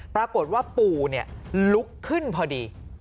ปรากฏว่าปู่ลุกขึ้นพอดี